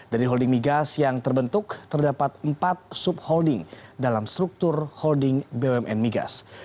dari holding migas yang terbentuk terdapat empat subholding dalam struktur holding bumn migas